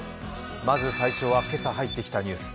まず最初は、今朝入ってきたニュース。